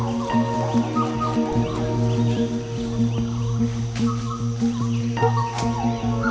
nanti jangan sendiri sendiri lagi ya